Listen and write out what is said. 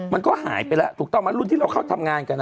มันก็หายไปแล้วถูกต้องไหมรุ่นที่เราเข้าทำงานกัน